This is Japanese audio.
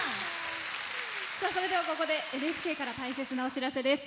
それでは、ここでＮＨＫから大切なお知らせです。